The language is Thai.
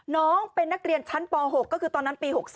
น้องเป็นนักเรียนชั้นป๖ก็คือตอนนั้นปี๖๓